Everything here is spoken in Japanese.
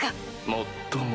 もっとも。